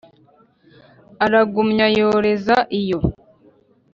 Aragumya yoreza iyo!